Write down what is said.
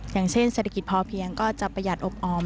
อย่างเช่นเศรษฐกิจพอเพียงก็จะประหยัดอบออม